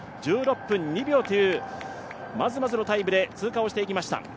１６分２秒というまずまずのタイムで通過してきました。